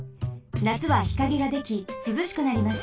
なつは日陰ができすずしくなります。